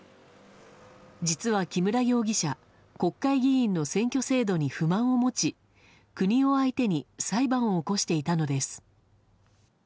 実は木村容疑者国会議員の選挙制度に不満を持ち国を相手に裁判を起こしていたのです。